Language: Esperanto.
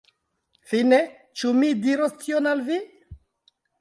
Fine, ĉu mi diros tion al vi?